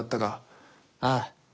ああ。